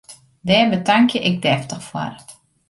Dêr betankje ik deftich foar!